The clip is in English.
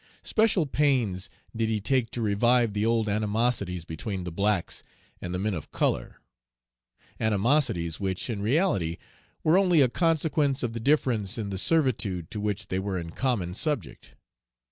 Special pains did he take to revive the old animosities between the blacks and the men of color, animosities which in reality were only a consequence of the difference in the servitude to which they were in common subject.